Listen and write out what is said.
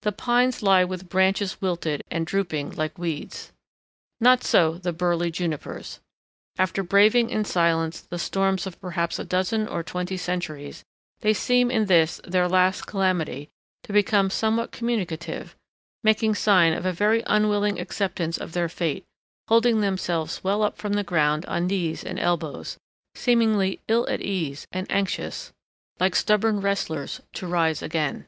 The pines lie with branches wilted and drooping like weeds. Not so the burly junipers. After braving in silence the storms of perhaps a dozen or twenty centuries, they seem in this, their last calamity, to become somewhat communicative, making sign of a very unwilling acceptance of their fate, holding themselves well up from the ground on knees and elbows, seemingly ill at ease, and anxious, like stubborn wrestlers, to rise again.